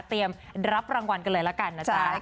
เตรียมรับรางวัลกันเลยละกันนะจ๊ะ